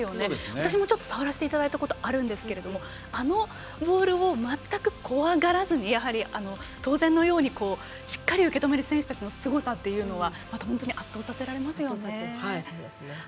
私も触らせていただいたことがあるんですがあのボールを全く怖がらずに当然のようにしっかり受け止める選手たちのすごさはまた本当に圧倒させられますよね。